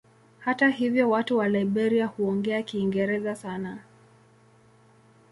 Hata hivyo watu wa Liberia huongea Kiingereza sana.